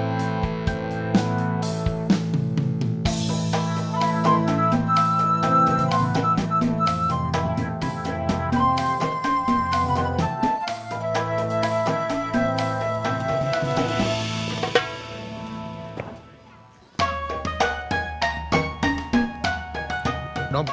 gueut propaganda kayuku tuh